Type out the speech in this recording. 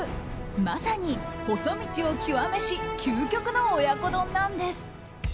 まさに細道を極めし究極の親子丼なんです。